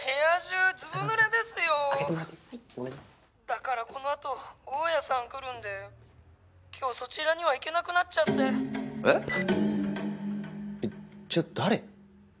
「だからこのあと大家さん来るんで今日そちらには行けなくなっちゃって」えっ？えっじゃあ誰？